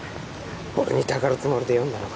俺にたかるつもりで呼んだのか？